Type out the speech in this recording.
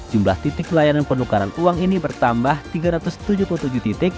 jumlah titik layanan penukaran uang ini bertambah tiga ratus tujuh puluh tujuh titik